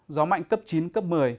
gió mạnh cấp chín cấp một mươi